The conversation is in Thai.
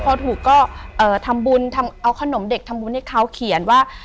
พอถูกก็ทำบุญทำเอาขนมเด็กทำบุญให้เขาเขียนว่า